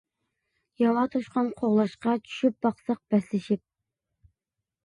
ياۋا توشقان قوغلاشقا، چۈشۈپ باقساق بەسلىشىپ.